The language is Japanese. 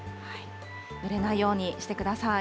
ぬれないようにしてください。